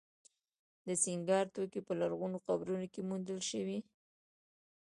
د سینګار توکي په لرغونو قبرونو کې موندل شوي